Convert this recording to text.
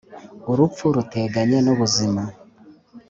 urupfu ruteganye n’ubuzima,